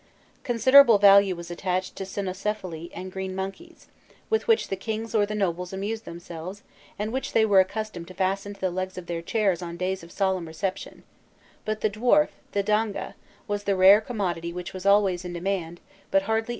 Considerable value was attached to cynocephali and green monkeys, with which the kings or the nobles amused themselves, and which they were accustomed to fasten to the legs of their chairs on days of solemn reception; but the dwarf, the Danga, was the rare commodity which was always in demand, but hardly ever attainable.